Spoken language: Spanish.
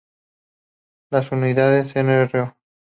Las unidades Nro.